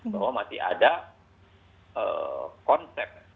bahwa masih ada konsep